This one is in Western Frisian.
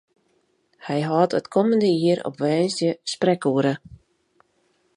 Hy hâldt it kommende jier op woansdei sprekoere.